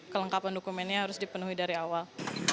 kelengkapan dokumennya harus dipenuhi dari awal